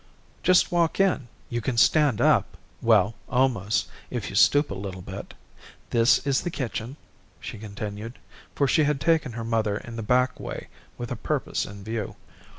"Just walk in. You can stand up well, almost if you stoop a little bit. This is the kitchen," she continued, for she had taken her mother in the back way with a purpose in view.